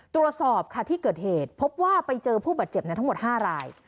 ตรวจสอบค่ะที่เกิดเหตุพบว่าไปเจอผู้บาดเจ็บทั้งหมด๕ราย